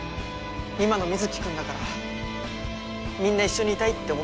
今の水城君だからみんな一緒にいたいって思ったんだよ。